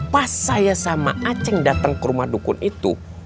pas saya sama aceng datang ke rumah dukun itu